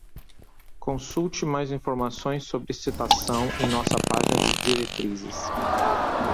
Consulte mais informações sobre citação em nossa página de diretrizes.